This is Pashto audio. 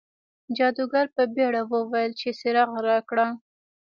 جادوګر په بیړه وویل چې څراغ راکړه.